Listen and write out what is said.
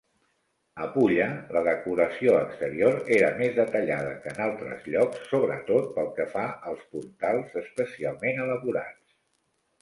A Pulla, la decoració exterior era més detallada que en altres llocs, sobretot pel que fa als portals especialment elaborats.